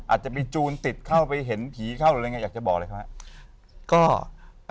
อาจจะไปจูนติดเข้าไปเห็นผีเข้าหรืออะไรอยากจะบอกเลยครับฮะ